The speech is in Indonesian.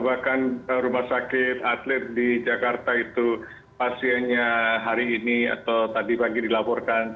bahkan rumah sakit atlet di jakarta itu pasiennya hari ini atau tadi pagi dilaporkan